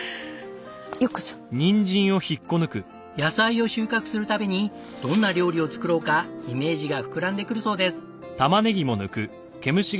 野菜を収穫する度にどんな料理を作ろうかイメージが膨らんでくるそうです。